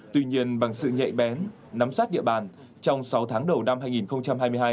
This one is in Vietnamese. tuy nhiên bằng sự nhạy bén nắm sát địa bàn trong sáu tháng đầu năm hai nghìn hai mươi hai